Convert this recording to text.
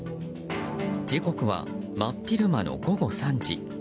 時刻は真昼間の午後３時。